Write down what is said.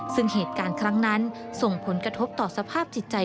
ซึ่งเหตุการณ์ครั้งนั้นส่งผลกระทบต่อสภาพจิตใจ